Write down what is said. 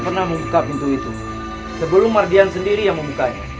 jangan banyak tanya dulu